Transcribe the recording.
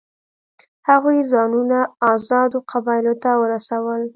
هغوی ځانونه آزادو قبایلو ته ورسول.